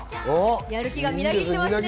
やる気がみなぎってますね。